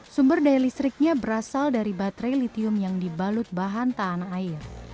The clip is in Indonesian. sumber daya listriknya berasal dari baterai litium yang dibalut bahan tanah air